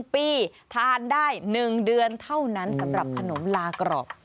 ปีทานได้๑เดือนเท่านั้นสำหรับขนมลากรอบ